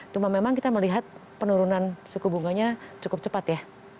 cuma memang kita melihat penurunan suku bunganya cukup cepat ya